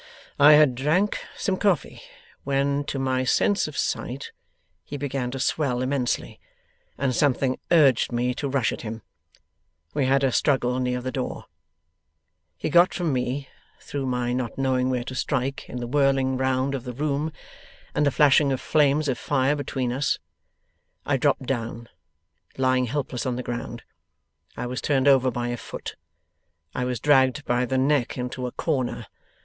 'I had drank some coffee, when to my sense of sight he began to swell immensely, and something urged me to rush at him. We had a struggle near the door. He got from me, through my not knowing where to strike, in the whirling round of the room, and the flashing of flames of fire between us. I dropped down. Lying helpless on the ground, I was turned over by a foot. I was dragged by the neck into a corner.